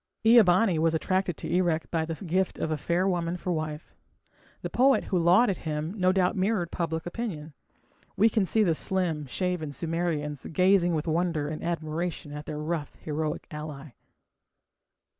Ea bani was attracted to Erech by the gift of a fair woman for wife. The poet who lauded him no doubt mirrored public opinion. We can see the slim, shaven Sumerians gazing with wonder and admiration on their rough heroic ally.